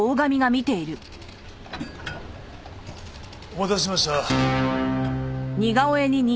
お待たせしました。